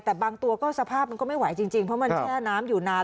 แต่บางตัวก็สภาพมันก็ไม่ไหวจริงเพราะมันแช่น้ำอยู่นาน